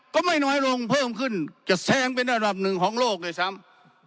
ก็ไม่น้อยลงเพิ่มขึ้นจะแซงเป็นอันดับหนึ่งของโลกด้วยซ้ำ